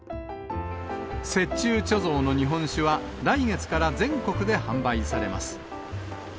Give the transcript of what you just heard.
雪中貯蔵の日本酒は、来月から全国で販売されます。